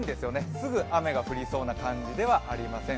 すぐ雨が降りそうな感じではありません。